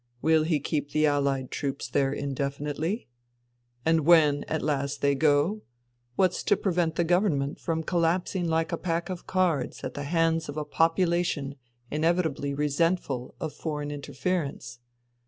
Will he keep the AUied troops there indefinitely ? And when at last they go, what's to prevent the government from collapsing like a pack of cards at the hands of a population inevitably resentful of foreign interference